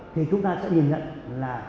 thì chúng ta sẽ nhìn nhận là